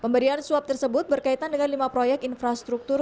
pemberian suap tersebut berkaitan dengan lima proyek infrastruktur